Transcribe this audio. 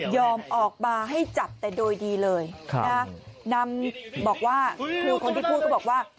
ออกมาให้จับแต่โดยดีเลยนำบอกว่าครูคนที่พูดก็บอกว่า